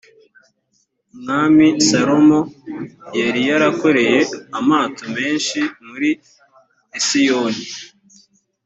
umwami salomo yari yarakoreye amato menshi muri esiyoni